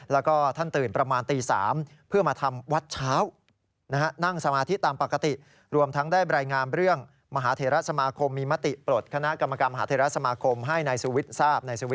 แล้วก็ท่านตื่นประมาณตี๓เพื่อมาทำวัดเช้า